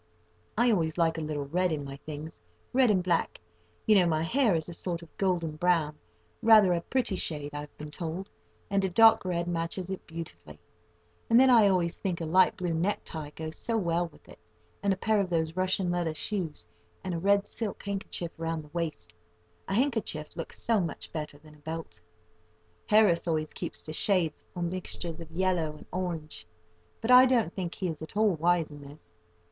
I always like a little red in my things—red and black. You know my hair is a sort of golden brown, rather a pretty shade I've been told, and a dark red matches it beautifully; and then I always think a light blue necktie goes so well with it, and a pair of those Russian leather shoes and a red silk handkerchief round the waist—a handkerchief looks so much better than a belt. Harris always keeps to shades or mixtures of orange or yellow, but I don't think he is at all wise in this.